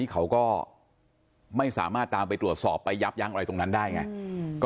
เขาก็ไม่สามารถตามไปตรวจสอบไปยับยั้งอะไรตรงนั้นได้ไง